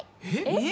えっ？